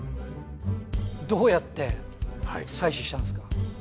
どうやって採取したんですか？